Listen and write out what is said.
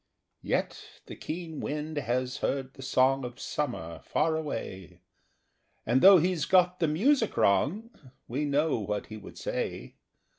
Yet the keen wind has heard the song Of summer far away. And, though he's got the music wrong, We know what he would say.